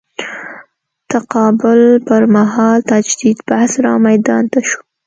تقابل پر مهال تجدید بحث رامیدان ته شو.